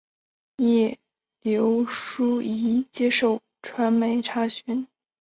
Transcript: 叶刘淑仪接受传媒查询时强调今次事件与选举无关。